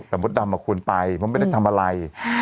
แต่มดดำควรไปเพราะไม่ได้ทำอะไร